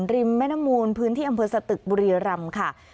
ริมแม่น้ำมูลพื้นที่อำเภอสตึกบุรีรำค่ะ